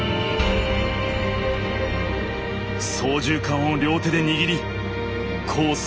操縦かんを両手で握りコース